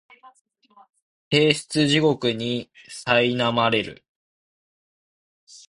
提出地獄にさいなまれる